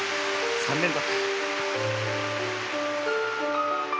３連続。